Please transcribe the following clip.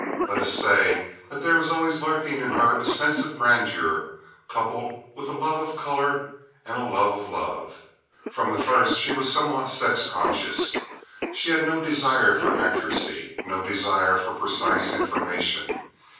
Let us say there was always lurking in her a sense of grandeur coupled with a love of color and a love of love. From the first she was somewhat sex conscious. She had no desire for accuracy, no desire for precise information.